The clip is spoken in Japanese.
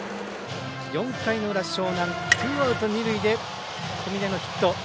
４回の裏、樟南ツーアウト、二塁で小峰のヒット。